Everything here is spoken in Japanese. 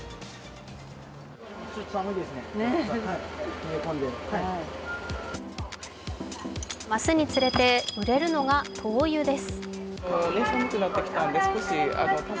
寒さが増すにつれて売れるのが灯油です。